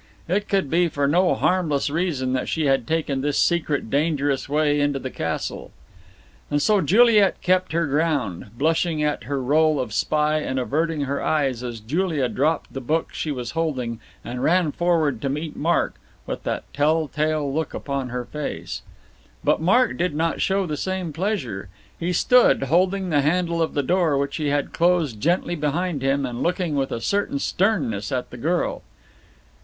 It could be for no harmless reason that she had taken this secret, dangerous way into the castle. And so Juliet kept her ground, blushing at her role of spy, and averting her eyes as Julia dropped the book she was holding and ran forward to meet Mark, with that tell tale look upon her face. But Mark did not show the same pleasure. He stood, holding the handle of the door, which he had closed gently behind him, and looking with a certain sternness at the girl.